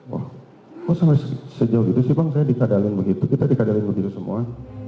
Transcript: wah kok sampai sejauh itu sih bang saya dikadalin begitu kita dikadalin begitu semua